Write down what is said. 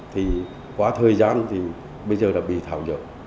thì quá thời gian thì bây giờ đã bị thảo dược